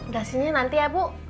gak sini nanti ya bu